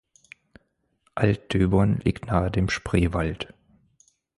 Altdöbern liegt nahe dem Spreewald.